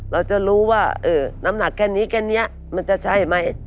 เราจะรู้ว่าน้ำหนักแค่นี้แค่นี้มันจะใช่ไหม